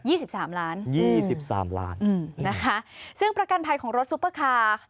สิบสามล้านยี่สิบสามล้านอืมนะคะซึ่งประกันภัยของรถซุปเปอร์คาร์